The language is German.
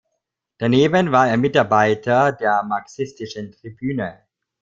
Daneben war er Mitarbeiter der "Marxistischen Tribüne".